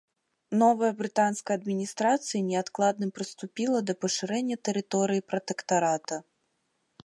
Новая брытанская адміністрацыя неадкладна прыступіла да пашырэння тэрыторыі пратэктарата.